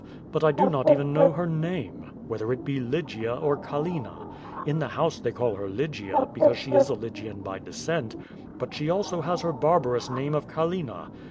But I do not even know her name, whether it be Lygia or Callina. In the house they call her Lygia, because she is a Lygian by descent, but she also has her barbarous name of Callina.